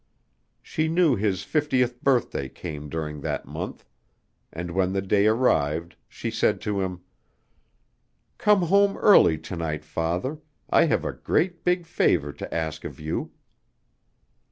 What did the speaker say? She knew his fiftieth birthday came during that month, and when the day arrived she said to him: "Come home early to night, father, I have a great, big favor to ask of you."